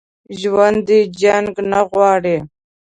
ژوندي جنګ نه غواړي